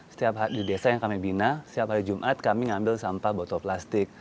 setiap di desa yang kami bina setiap hari jumat kami ngambil sampah botol plastik